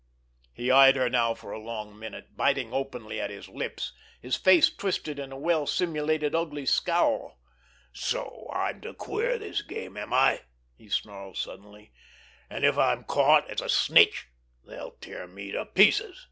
He eyed her now for a long minute, biting openly at his lip, his face twisted in a well simulated ugly scowl. "So, I'm to queer this game, am I?" he snarled suddenly. "And if I'm caught—as a snitch—they'll tear me to pieces!"